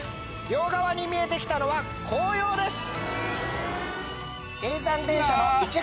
両側に見えて来たのは紅葉です。